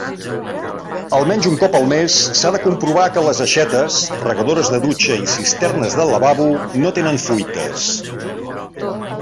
Almenys un cop al mes s'ha de comprovar que les aixetes, regadores de dutxa i cisternes de lavabo no tenen fuites.